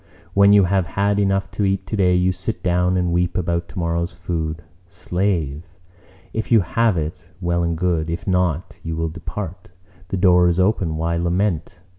When you have had enough to eat today, you sit down and weep about tomorrow's food. Slave! if you have it, well and good; if not, you will depart: the door is open—why lament?